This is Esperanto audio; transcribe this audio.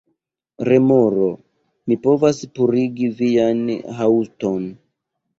Remoro: "Mi povas purigi vian haŭton."